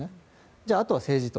じゃあ、あとは政治と。